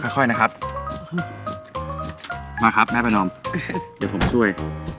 ค่อยนะครับมาครับแม่ประนอมเดี๋ยวผมช่วย